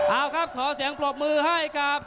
เอาครับขอเสียงปรบมือให้กับ